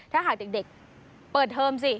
ถ้าหากเด็กเปิดเทอมสิ